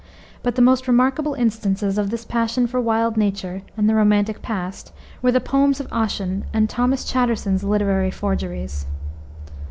But the most remarkable instances of this passion for wild nature and the romantic past were the Poems of Ossian and Thomas Chatterton's literary forgeries.